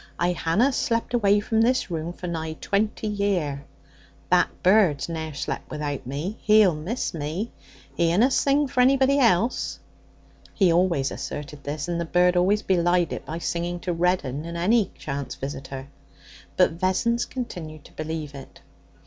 'I hanna slep away from this room for nigh twenty year. That bird's ne'er slep without me. He'll miss me. He unna sing for anybody else.' He always asserted this, and the bird always belied it by singing to Reddin and any chance visitor. But Vessons continued to believe it.